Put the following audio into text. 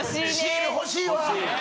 シール欲しいわ。